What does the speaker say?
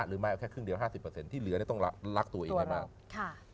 หรือไม่เอาแค่ครึ่งเดียว๕๐ที่เหลือเนี่ยต้องรักตัวเองให้มาก